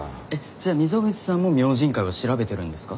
じゃあ溝口さんも「明神会」を調べてるんですか？